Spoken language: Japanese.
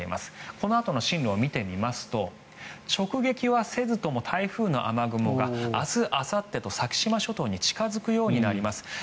このあとの進路を見てみますと直撃はしなくとも台風の雨雲が明日あさってと先島諸島に近付くようになります。